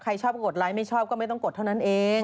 ใครชอบกดไลค์ไม่ชอบก็ไม่ต้องกดเท่านั้นเอง